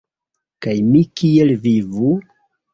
Kaj mi kiel vivu?